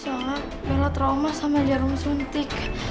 soalnya bela trauma sama jarum suntik